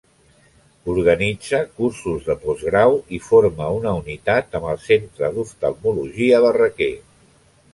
Organitza cursos de postgrau i forma una unitat amb el Centre d'Oftalmologia Barraquer.